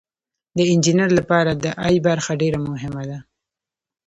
د انجینر لپاره د ای برخه ډیره مهمه ده.